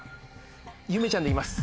ゆめちゃんでいきます。